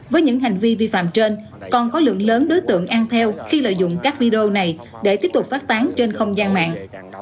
với những hành vi vi phạm trên còn có lượng lớn đối tượng ăn theo khi lợi dụng các video này để tiếp tục phát tán trên không gian mạng